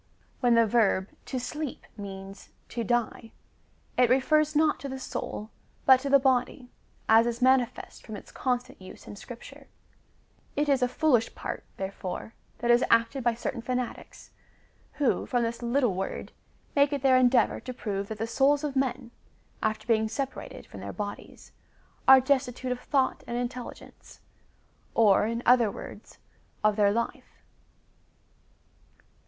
When the verb to sleep means to die,^ it refers not to the soul, but to the body, as is manifest from its constant use in Scripture.^ It is a foolish part, therefore, that is acted by certain fanatics, who, from this little word, make it their endeavour to prove that the souls of men, after being separated from their bodies, are destitute of thought and intelligence, or, in other words, of their life.